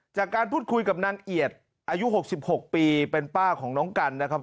จากการพูดคุยกับนางเอียดอายุ๖๖ปีเป็นป้าของน้องกันนะครับ